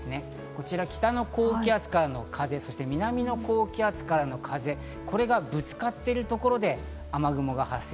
こちら北の高気圧からの風、そして南の高気圧からの風、これがぶつかっているところで雨雲が発生。